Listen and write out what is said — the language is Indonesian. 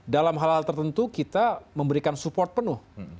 dalam hal hal tertentu kita memberikan support penuh